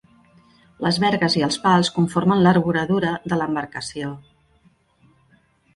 Les vergues i els pals conformen l'arboradura de l'embarcació.